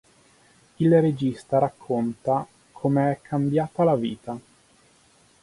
Il regista racconta come è cambiata la vita.